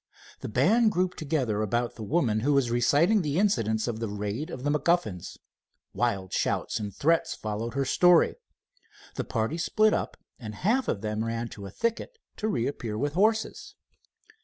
The band grouped together about the woman, who was reciting the incidents of the raid of the MacGuffins. Wild shouts and threats followed her story. The party split up, and half of them ran to a thicket, to reappear with horses.